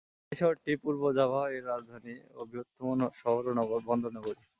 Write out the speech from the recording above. এই শহরটি পূর্ব জাভা এর রাজধানী ও বৃহত্তম শহর ও বন্দর নগরী।